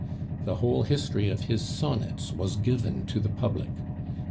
The whole history of his sonnets was given to the public.